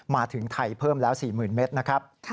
มาถึงไทยเพิ่มแล้ว๔๐๐๐เมตรนะครับ